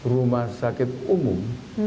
rumah sakit umum